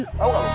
tau gak lu